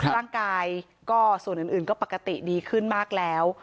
ร่างกายก็ส่วนอื่นก็ปกติดีขึ้นมากแล้ว